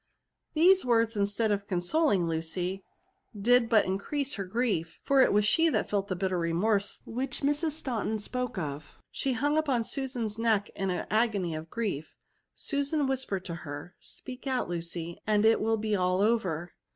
These words, instead of consoling Lucy, did but increase her grief; for it was she who felt the bitter remorse which Mrs. Staunton spoke of. She hung upon Susan's neck in an agony of grief ; Susan whispered to her, " Speak out, Lucy, and it will be all over.